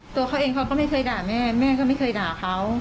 ตัวเขาเองเขาก็ไม่เคยด่าแม่แม่ก็ไม่เคยด่าเขา